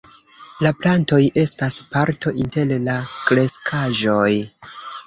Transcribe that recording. La plantoj estas parto inter la kreskaĵoj.